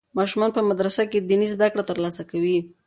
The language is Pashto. ماشومان په مدرسه کې دیني زده کړې ترلاسه کوي.